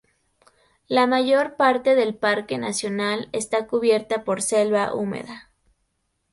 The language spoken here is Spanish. La mayor parte del parque nacional está cubierta por selva húmeda.